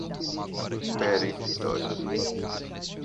peremptórios